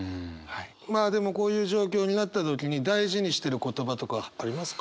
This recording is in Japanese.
まあでもこういう状況になった時に大事にしてる言葉とかありますか？